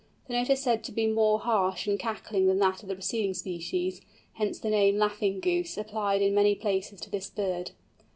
The note is said to be more harsh and cackling than that of the preceding species, hence the name "Laughing Goose," applied in many places to this bird.